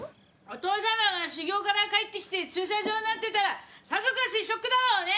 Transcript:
お父様が修行から帰ってきて駐車場になってたらさぞかしショックだろうね！